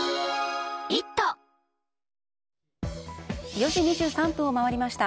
４時２３分を回りました。